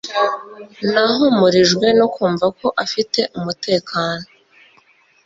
Nahumurijwe no kumva ko afite umutekano